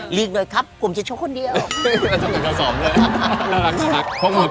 หลีกจากไทยหลีก